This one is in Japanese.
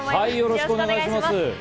よろしくお願いします。